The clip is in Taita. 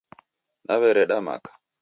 Naw'ereda maka